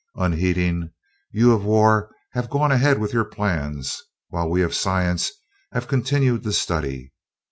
Unheeding, you of war have gone ahead with your plans, while we of science have continued to study.